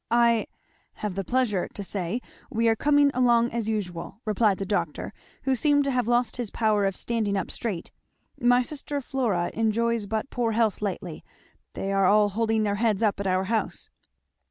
"I have the pleasure to say we are coming along as usual," replied the doctor, who seemed to have lost his power of standing up straight; "My sister Flora enjoys but poor health lately, they are all holding their heads up at your house.